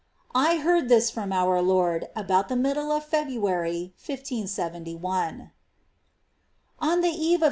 I heard this from our Lord about the middle of February 1571. 16. On the eve of S.